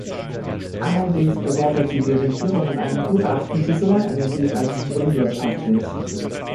Allerdings bewertete die Regierung in einem Gutachten die Solarenergie als unwirtschaftlich.